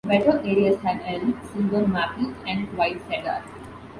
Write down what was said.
Wetter areas have elm, silver maple and white cedar.